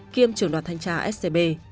kiêm trưởng đoàn thanh tra scb